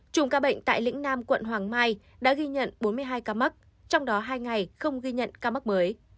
chùm ca bệnh tại lĩnh nam quận hoàng mai có hơn bốn mươi hai ca mắc hiện hai ngày không ghi nhận ca mắc mới